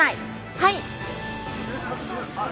はい。